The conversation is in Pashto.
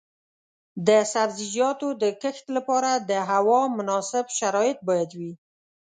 د سبزیجاتو د کښت لپاره د هوا مناسب شرایط باید وي.